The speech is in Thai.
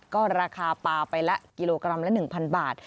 ก็ราคาปลาไปละกิโลกรัมละ๑๐๐บาท